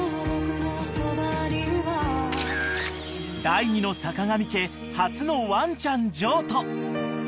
［第２の坂上家初のワンちゃん譲渡］